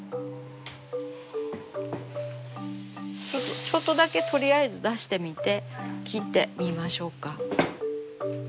ちょっとだけとりあえず出してみて切ってみましょうか。